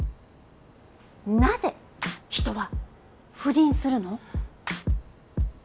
なぜ人は不倫するの？